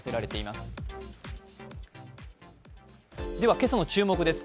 今朝の注目です。